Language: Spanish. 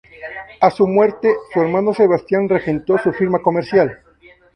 A su muerte, su hermano Sebastián regentó su firma comercial.